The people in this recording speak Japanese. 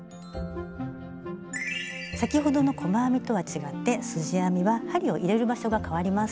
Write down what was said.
先ほどの細編みとは違ってすじ編みは針を入れる場所がかわります。